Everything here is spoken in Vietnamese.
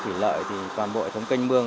thủy lợi thì toàn bộ hệ thống kênh mương